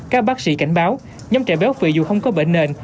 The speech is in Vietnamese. các bác sĩ cảnh báo nhóm trẻ béo phì dù không có bệnh nền